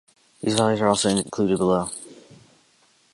These values are also included below.